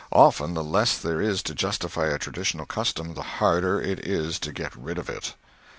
Often, the less there is to justify a traditional custom, the harder it is to get rid of it.